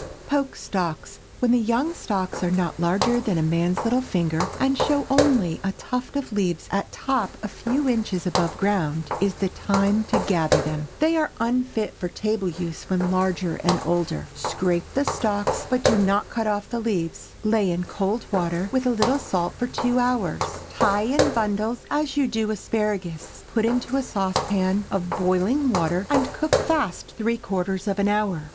POKE STALKS. When the young stalks are not larger than a man's little finger, and show only a tuft of leaves at top a few inches above ground, is the time to gather them. They are unfit for table use when larger and older. Scrape the stalks, but do not cut off the leaves. Lay in cold water, with a little salt, for two hours. Tie in bundles, as you do asparagus, put into a saucepan of boiling water, and cook fast three quarters of an hour.